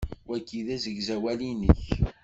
Wagi d asegzawal-nnek?